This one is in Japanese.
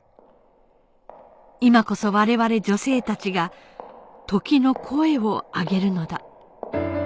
「今こそ我々女性たちが鬨の声を上げるのだ」